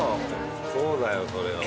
そうだよそれは。